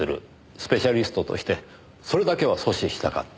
スペシャリストとしてそれだけは阻止したかった。